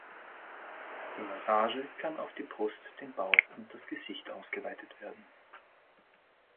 Die Massage kann auf die Brust, den Bauch und das Gesicht ausgeweitet werden.